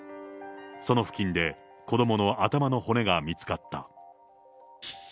その付近で子どもの頭の骨が見つかった。